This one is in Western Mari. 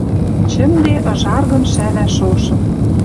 Чӹмде ыжаргым шӓвӓ шошым.